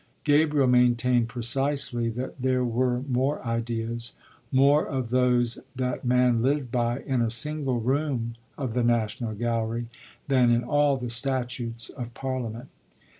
Gabriel maintained precisely that there were more ideas, more of those that man lived by, in a single room of the National Gallery than in all the statutes of Parliament.